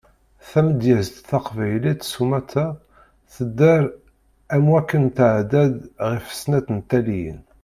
Tamedyazt taqbaylit sumata tedder am waken tɛedda-d ɣef snat n taliyin.